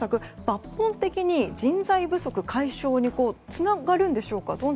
抜本的に人材不足解消につながるんでしょうか。